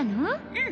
うん